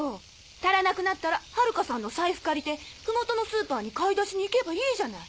足らなくなったら晴華さんの財布借りてふもとのスーパーに買い出しに行けばいいじゃない！！